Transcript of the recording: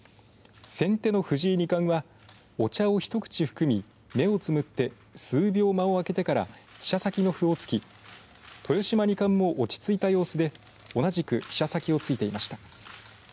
先手の藤井二冠はお茶を一口含み、目をつむって数秒、間をあけてから飛車先の歩を突き豊島二冠も落ち着いた様子で同じく飛車先を突いていました。